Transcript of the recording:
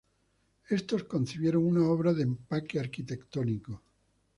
Estos concibieron una obra de empaque arquitectónico.